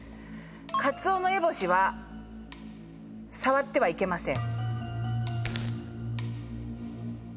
カツオノエボシは触ってはいけません。